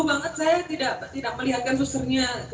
banget saya tidak tidak melihatkan susternya